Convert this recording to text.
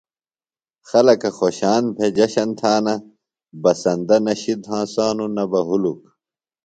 خلکہ خوشان بھےۡ جشن تھانہ۔ بسندہ نہ شِد ہنسانوۡ نہ بہ ہُلک۔